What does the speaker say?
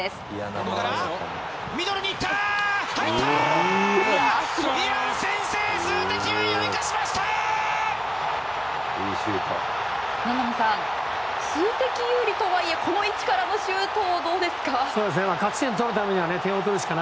名波さん数的有利とはいえこの位置からのシュートいかがですか？